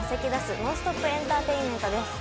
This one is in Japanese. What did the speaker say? ノンストップエンターテインメントです